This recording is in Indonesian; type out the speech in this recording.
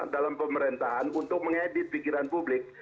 dalam pemerintahan untuk mengedit pikiran publik